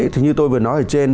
thì như tôi vừa nói ở trên